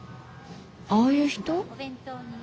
ああいう人？